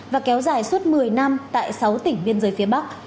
và kéo dài suốt một mươi năm tại sáu tỉnh biên giới phía bắc